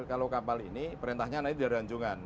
kalau kapal ini perintahnya nanti di ranjungan